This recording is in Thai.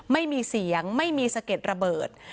ไม่มีเสียงไม่มีสะเก็ดระเบิด